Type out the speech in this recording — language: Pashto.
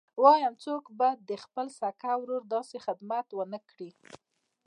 وايم څوک به د خپل سکه ورور داسې خدمت ونه کي.